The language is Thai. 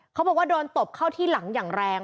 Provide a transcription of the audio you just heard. เขาบอกว่าโดนตบเข้าที่หลังอย่างแรง